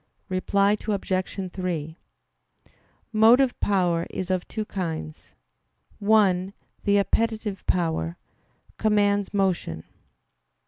Reply Obj. 3: Motive power is of two kinds. One, the appetitive power, commands motion.